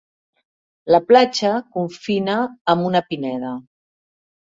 La platja confina amb una pineda.